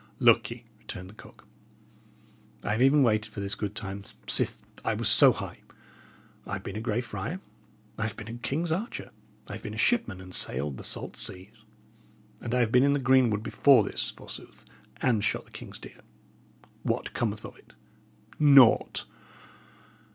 "Look ye," returned the cook, "I have even waited for this good time sith that I was so high. I have been a grey friar; I have been a king's archer; I have been a shipman, and sailed the salt seas; and I have been in greenwood before this, forsooth! and shot the king's deer. What cometh of it? Naught!